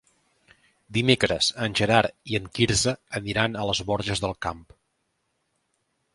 Dimecres en Gerard i en Quirze aniran a les Borges del Camp.